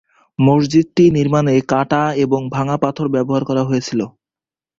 মসজিদটি নির্মাণে কাটা এবং ভাঙ্গা পাথর ব্যবহার করা হয়েছিল।